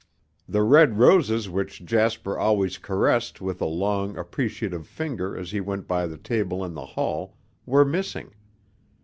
The red roses which Jasper always caressed with a long, appreciative finger as he went by the table in the hall, were missing.